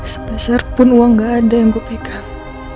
sebesar pun uang gak ada yang gue pegang